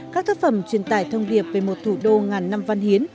các tác phẩm truyền tải thông điệp về một thủ đô ngàn năm văn hiến